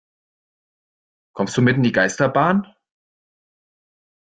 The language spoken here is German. Kommst du mit in die Geisterbahn?